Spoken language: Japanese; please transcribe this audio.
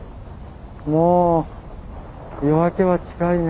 もう夜明けは近いね。